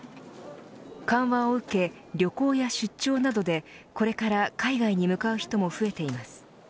緩和を受け、旅行や出張などでこれから海外に向かう人も増えています。